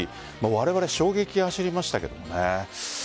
われわれ衝撃が走りましたけどね。